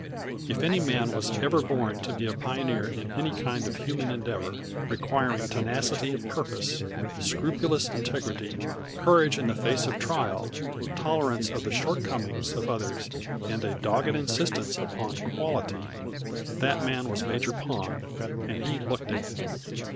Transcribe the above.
If any man was ever born to be a pioneer in any kind of human endeavor requiring tenacity of purpose, scrupulous integrity, courage in the face of trial, tolerance of the shortcomings of others, and a dogged insistence upon "quality," that man was Major Pond, and he looked it.